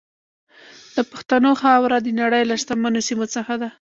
د پښتنو خاوره د نړۍ له شتمنو سیمو څخه ده.